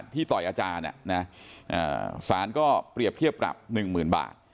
ต่อยอาจารย์สารก็เปรียบเทียบปรับ๑๐๐๐บาท